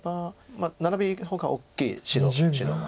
まあナラビの方が大きい白は。